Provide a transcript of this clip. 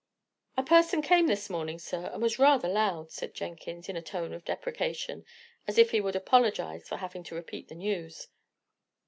"A person came this morning, sir, and was rather loud," said Jenkins, in a tone of deprecation, as if he would apologize for having to repeat the news.